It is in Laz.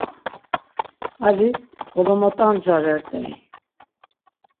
Ali golomat̆ancarert̆ey.